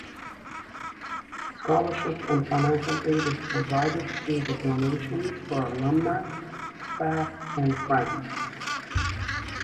Scholarships and financial aid is provided through the donations for alumni, staff and friends.